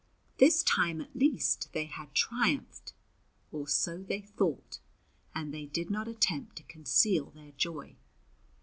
This time at least they had triumphed, or so they thought, and they did not attempt to conceal their joy.